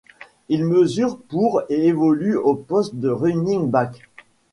Il mesure pour et évolue au poste de running back.